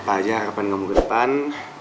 apa aja harapan kamu ke depan